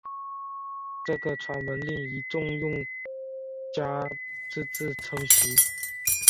这个传闻令一众用家啧啧称奇！